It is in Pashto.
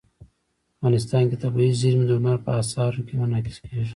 افغانستان کې طبیعي زیرمې د هنر په اثار کې منعکس کېږي.